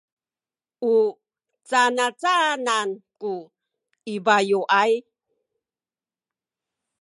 u canacanan ku i bayuay?